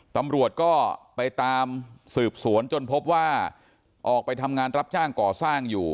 ตำรวจก็ไปตามสืบสวนจนพบว่าออกไปทำงานรับจ้างก่อสร้างอยู่